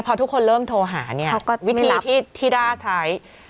พอทุกคนเริ่มโทรหาเนี่ยวิธีที่ด้าใช้